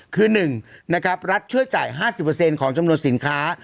คือ๑รัฐเชื่อจ่าย๕๐ของจำนวนสินค้า